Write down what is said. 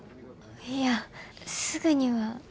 いやすぐには。